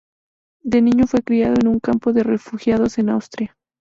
De niño fue criado en un campo de refugiados en Austria.